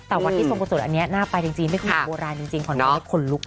แต่วันที่ส่งประสุนอันนี้น่าไปจริงไม่ค่อยโบราณจริงขออนุญาตให้คนลุกเลย